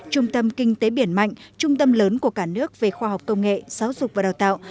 trung tâm kinh tế biển mạnh trung tâm lớn của cả nước về khoa học công nghệ giáo dục và đào tạo